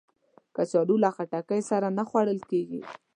کچالو له خټکی سره نه خوړل کېږي